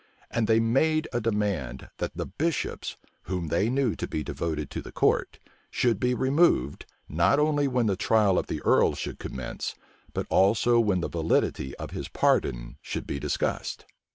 And they made a demand, that the bishops, whom they knew to be devoted to the court, should be removed, not only when the trial of the earl should commence, but also when the validity of his pardon should be discussed.